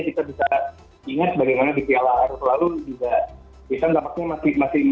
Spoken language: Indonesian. kita bisa ingat bagaimana di sialan terlalu juga kita dapatnya masih masih perlu